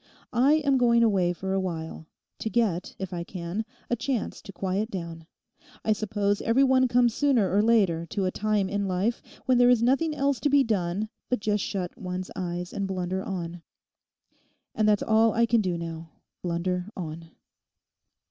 I am going away for a while, to get, if I can, a chance to quiet down. I suppose every one comes sooner or later to a time in life when there is nothing else to be done but just shut one's eyes and blunder on. And that's all I can do now—blunder on....